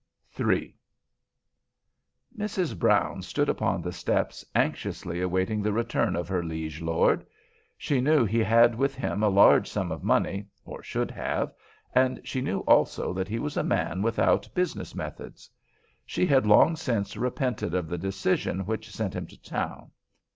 III Mrs. Brown stood upon the steps anxiously awaiting the return of her liege lord. She knew he had with him a large sum of money, or should have, and she knew also that he was a man without business methods. She had long since repented of the decision which sent him to town.